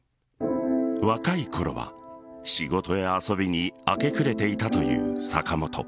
若いころは仕事や遊びに明け暮れていたという坂本。